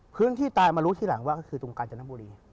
พื้นที่ตายมารู้ทีหลังว่าก็คือตรงกาญจนบุรี